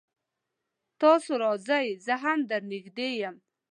تاسو راځئ زه هم در نږدې يم